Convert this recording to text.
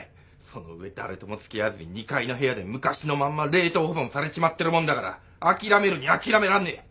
その上誰とも付き合わずに２階の部屋で昔のまんま冷凍保存されちまってるもんだから諦めるに諦めらんねえ。